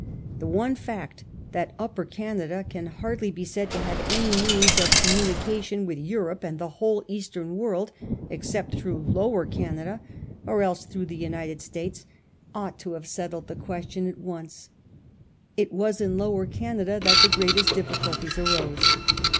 The one fact, that Upper Canada can hardly be said to have any means of communication with 1837. HIGH HANDED EULE. 53 Europe and the whole Eastern world except through Lower Canada, or else through the United States, ought to have settled the question at once. It was in Lower Canada that the greatest difficulties arose.